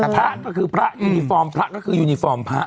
พระก็คือพระพระก็คือยูนิฟอร์มพระ